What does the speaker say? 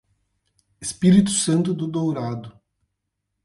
Espírito Santo do Dourado